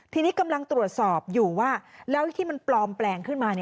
ทีนี้กำลังตรวจสอบอยู่ว่าแล้วที่มันปลอมแปลงขึ้นมา